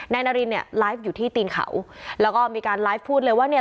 นารินเนี่ยไลฟ์อยู่ที่ตีนเขาแล้วก็มีการไลฟ์พูดเลยว่าเนี่ย